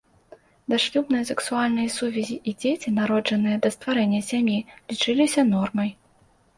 Дашлюбныя сексуальныя сувязі і дзеці, народжаныя да стварэння сям'і, лічыліся нормай.